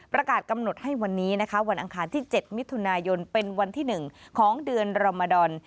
ประกาศกำหนดให้วันนี้นะคะวันอังคารที่๗มิถุนายนเป็นวันที่๑ของเดือนรมดอน